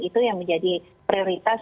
itu yang menjadi prioritas